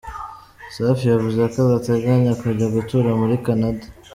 Safi yavuze ko adateganya kujya gutura muri Canada.